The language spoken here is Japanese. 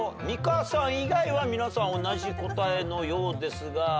美香さん以外は皆さん同じ答えのようですが。